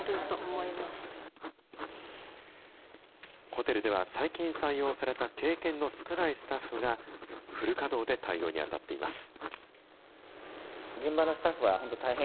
ホテルでは、最近採用された経験の少ないスタッフが、フル稼働で対応に当たっています。